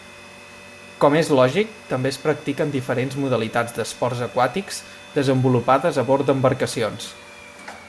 Com és lògic, també es practiquen diferents modalitats d'esports aquàtics desenvolupades a bord d'embarcacions.